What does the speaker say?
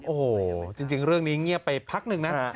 โอ้โหจริงเรื่องนี้เงียบไปพักหนึ่งนะ